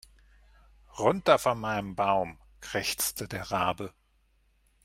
"Runter von meinem Baum", krächzte der Rabe.